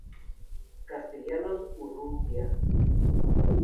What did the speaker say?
Castellanos Urrutia.